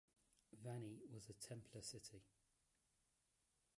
Vani was a templar city.